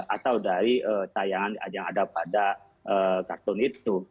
atau dari tayangan yang ada pada kartun itu